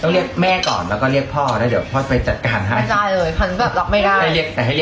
เรียกแม่ก่อนแล้วก็เรียกพ่อแล้วเดี๋ยวพ่อไปจัดการให้ได้